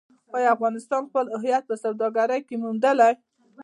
آیا افغانستان خپل هویت په سوداګرۍ کې موندلی؟